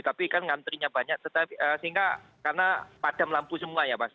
tapi kan ngantrinya banyak sehingga karena padam lampu semua ya mas